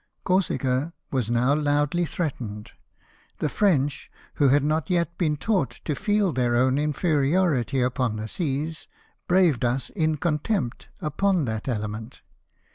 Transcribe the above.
Corsica was now loudly threat ened. The French, who had not yet been taught to feel their own inferiority upon the seas, braved us, in contempt, upon that element.